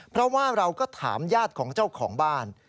เพราะว่าเราก็ถามญาติของเจ้าของบ้าน